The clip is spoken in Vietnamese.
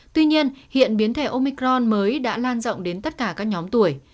tuy nhiên hiện biến thể omicron mới đã lan rộng đến tất cả các nhóm tuổi